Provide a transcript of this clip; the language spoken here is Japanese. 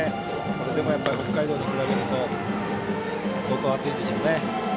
それでも北海道に比べると相当、暑いんでしょうね。